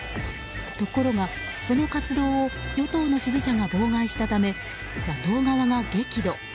ところが、その活動を与党の支持者が妨害したため野党側が激怒。